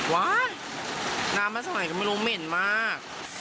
ว้าวน้ำมาสมัยก็ไม่รู้เหม็นมาก